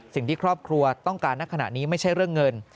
สิ่งที่ครอบครัวต้องการณขณะนี้ไม่ใช่เรื่องเงิน